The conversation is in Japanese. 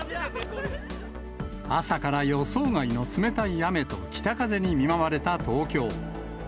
朝から予想外の冷たい雨と北風に見舞われた東京。